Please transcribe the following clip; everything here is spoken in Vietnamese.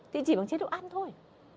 thì chỉ bằng chế độ ăn thôi